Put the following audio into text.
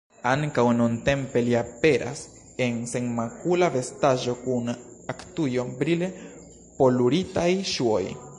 Ankaŭ nuntempe li aperas en senmakula vestaĵo, kun aktujo, brile poluritaj ŝuoj.